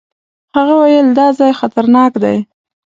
هغه وويل دا ځای خطرناک دی.